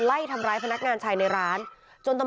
ไล่ทำร้ายพนักงานชายในร้าน